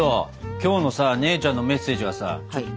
今日のさ姉ちゃんのメッセージはさ意味不明でさ。